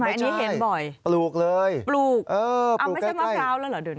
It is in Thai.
อันนี้เห็นบ่อยปลูกเลยปลูกเออเอาไม่ใช่มะพร้าวแล้วเหรอเดี๋ยวนี้